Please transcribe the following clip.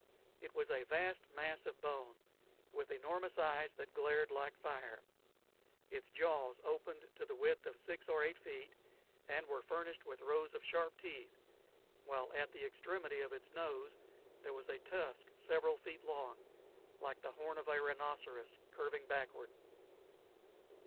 It was a vast mass of bone, with enormous eyes that glared like fire; its jaws opened to the width of six or eight feet, and were furnished with rows of sharp teeth, while at the extremity of its nose there was a tusk several feet long, like the horn of a rhinoceros, curving backward.